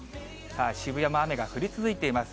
渋谷も雨が降り続いています。